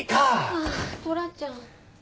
ああトラちゃん。